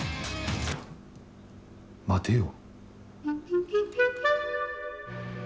待てよ。